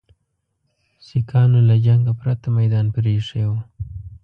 سیکهانو له جنګه پرته میدان پرې ایښی وو.